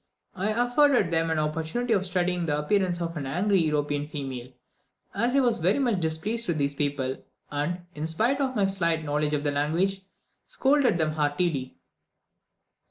I afforded them an opportunity of studying the appearance of an angry European female, as I was very much displeased with my people, and, in spite of my slight knowledge of the language, scolded them heartily.